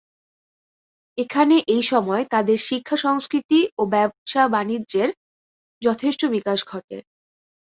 এখানে এইসময় তাদের শিক্ষা সংস্কৃতি ও ব্যবসা বাণিজ্যের যথেষ্ট বিকাশ ঘটে।